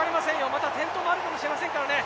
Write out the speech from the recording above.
また転倒もあるかもしれませんからね！